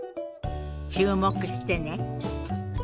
注目してね。